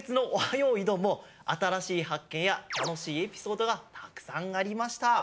よいどん」もあたらしいはっけんやたのしいエピソードがたくさんありました。